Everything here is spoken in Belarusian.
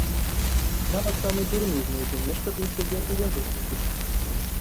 Нават самы дурны знойдзе нешта для сябе ў яго музыцы!